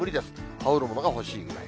羽織るものが欲しいぐらい。